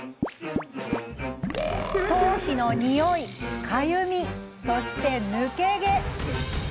頭皮のにおい、かゆみそして抜け毛。